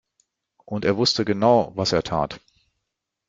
Und er wusste genau, was er tat.